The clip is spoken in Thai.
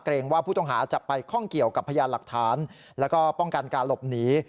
ว่าผู้ต้องหาจะไปข้องเกี่ยวกับพยานหลักฐานแล้วก็ป้องกันการหลบหนี